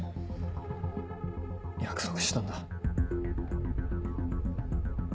約束したんだ。